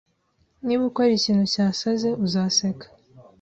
Niba ukora ikintu cyasaze, uzaseka